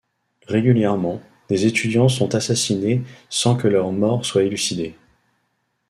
Régulièrement, des étudiants sont assassinés sans que leur mort soit élucidée.